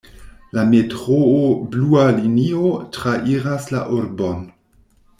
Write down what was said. La metroo "Blua Linio" trairas la urbon.